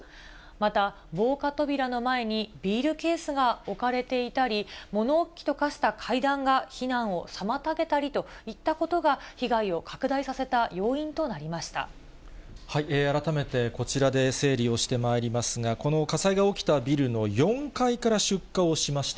また、防火扉の前にビールケースが置かれていたり、物置と化した階段が避難を妨げたりといったことが、被害を拡大さ改めてこちらで整理をしてまいりますが、この火災が起きたビルの４階から出火をしました。